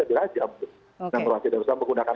bisa dirajam dan meruahkan